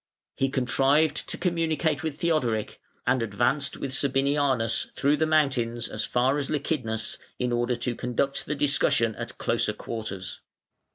He contrived to communicate with Theodoric, and advanced with Sabinianus through the mountains as far as Lychnidus in order to conduct the discussion at closer quarters.